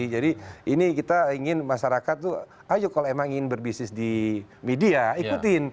jadi ini kita ingin masyarakat tuh ayo kalau emang ingin berbisnis di media ikutin